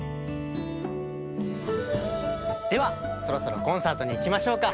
ではそろそろコンサートにいきましょうか。